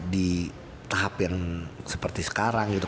di tahap yang seperti sekarang gitu